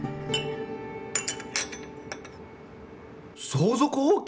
相続放棄？